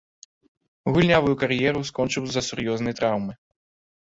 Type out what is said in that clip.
Гульнявую кар'еру скончыў з-за сур'ёзнай траўмы.